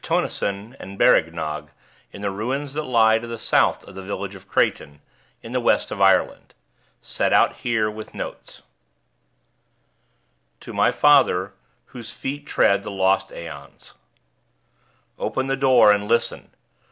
Tonnison and Berreggnog in the Ruins that lie to the South of the Village of Kraighten, in the West of Ireland. Set out here, with Notes_. TO MY FATHER (Whose feet tread the lost aeons) Open the door, And listen!